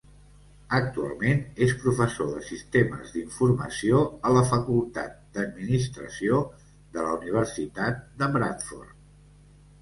Actualment és professor de Sistemes d'Informació a la Facultat d'Administració de la Universitat de Bradford.